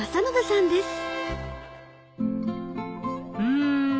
うん！